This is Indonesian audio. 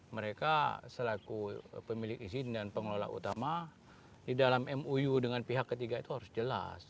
mereka selaku pemilik izin dan pengelola utama di dalam mou dengan pihak ketiga itu harus jelas